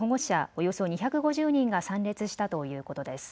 およそ２５０人が参列したということです。